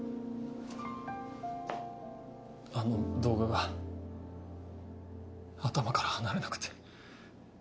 あの動画が頭から離れなくて。